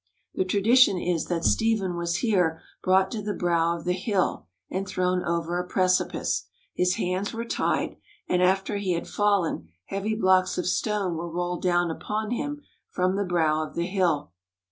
The tradition is that Stephen was here brought to the brow of the hill and thrown over a precipice. His hands were tied, and after he had fallen heavy blocks of stone were rolled down upon him from the brow of the hill.